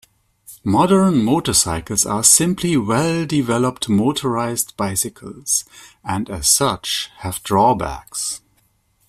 Modern motorcycles are simply well-developed motorized bicycles, and as such have drawbacks.